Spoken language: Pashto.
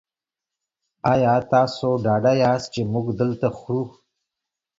ایا تاسو ډاډه یاست چې موږ دلته خورو؟